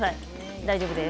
大丈夫です。